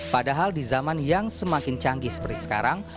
padahal di zaman yang semakin canggih seperti sekarang